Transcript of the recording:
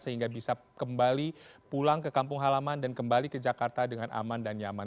sehingga bisa kembali pulang ke kampung halaman dan kembali ke jakarta dengan aman dan nyaman